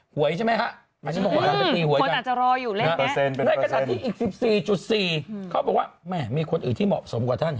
หวยใช่ไหมฮะคนอาจจะรออยู่เล็กนี้ในกระจัดที่อีก๑๔๔เขาบอกว่าแม่มีคนอื่นที่เหมาะสมกว่าท่าน